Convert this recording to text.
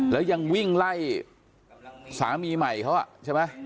แล้วยังวิ่งไล่สามีใหม่เขาใช่ไหม